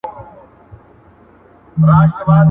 ما روان كړله پر لار د فساديانو !.